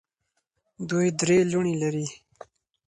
دوی درې لوڼې لري.